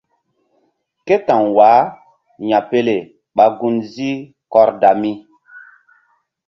Ké ta̧w wah ya̧pele ɓa gun ziih Kordami.